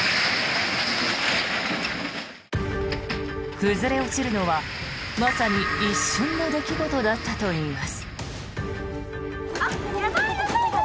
崩れ落ちるのは、まさに一瞬の出来事だったといいます。